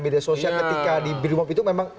media sosial ketika di brimob itu memang